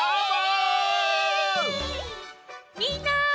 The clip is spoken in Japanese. みんな！